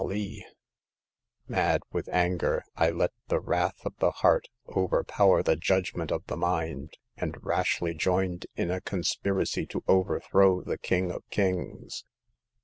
'*" Mad with anger, I let the wrath of the heart overpower the judgment of the mind, and rashly joined in a conspiracy to overthrow the King of Kings.